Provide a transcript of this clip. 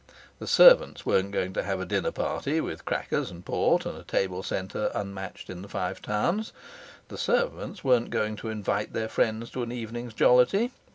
The servants weren't going to have a dinner party, with crackers and port and a table centre unmatched in the Five Towns; the servants weren't going to invite their friends to an evening's jollity.